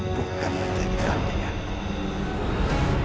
bukan menjadi gantianmu